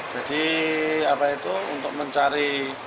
jadi apa itu untuk mencari